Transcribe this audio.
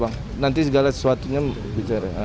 nanti segala sesuatunya bicara